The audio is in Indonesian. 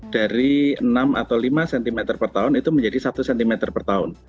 dari enam atau lima cm per tahun itu menjadi satu cm per tahun